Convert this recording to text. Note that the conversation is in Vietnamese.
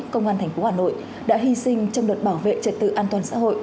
công an thành phố hà nội đã hy sinh trong luật bảo vệ trật tự an toàn xã hội